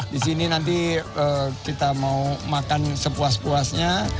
di sini nanti kita mau makan sepuas puasnya